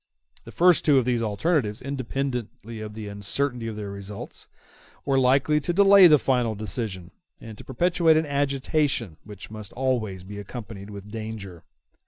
The first two of these alternatives, independently of the uncertainty of their results, were likely to delay the final decision, and to perpetuate an agitation which must always be accompanied with danger.